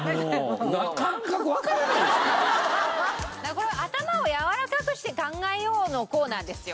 これは頭を柔らかくして考えようのコーナーですよ。